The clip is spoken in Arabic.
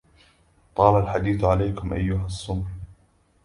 طال الحديث عليكم أيها السمر